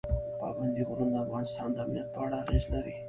پابندي غرونه د افغانستان د امنیت په اړه اغېز لري.